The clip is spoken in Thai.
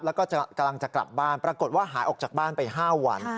แล้วก็กำลังจะกลับบ้านปรากฏว่าหายออกจากบ้านไป๕วัน